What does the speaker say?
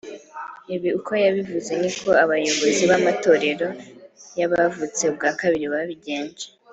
Ibi uko yabivuze niko abayobozi b’amatorero y’abavutse ubwa kabiri babigenje